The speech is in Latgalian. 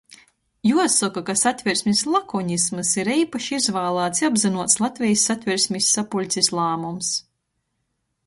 Juosoka, ka Satversmis lakonisms ir eipaši izvālāts i apzynuots Latvejis Satversmis sapuļcis lāmums.